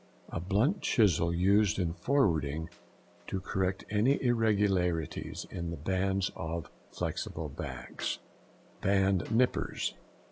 —A blunt chisel used in forwarding, to correct any irregularities in the bands of flexible backs. BAND NIPPERS.